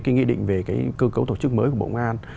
cái nghị định về cơ cấu tổ chức mới của bộ công an